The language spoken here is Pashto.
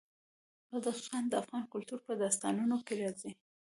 بدخشان د افغان کلتور په داستانونو کې راځي.